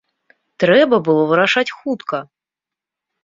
Трэба было вырашаць хутка!